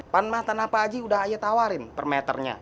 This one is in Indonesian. pan matana pak haji udah aye tawarin per meternya